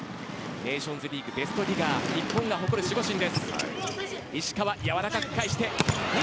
ネーションズリーグベストディガー日本が誇る守護神です。